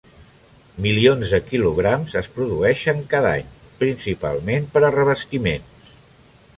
Milions de quilograms es produeixen cada any, principalment per a revestiments.